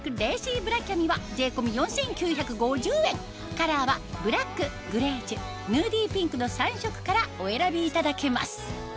カラーはブラックグレージュヌーディピンクの３色からお選びいただけます